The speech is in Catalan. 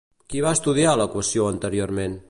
Qui va estudiar l'equació anteriorment?